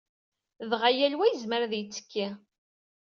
Dɣa yal wa yezmer ad yettekki.